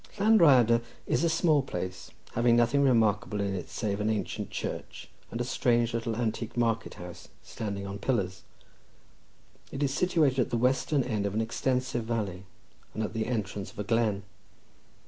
Llan Rhyadr is a small place, having nothing remarkable in it save an ancient church, and a strange little antique market house, standing on pillars. It is situated at the western end of an extensive valley, and at the entrance of a glen.